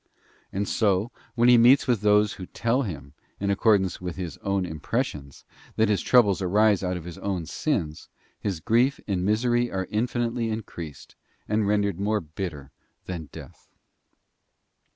And so, when he meets with those who tell him, in accordance with his own impres sions, that his troubles arise out of his own sins, his grief and misery are infinitely increased and rendered more bitter than death.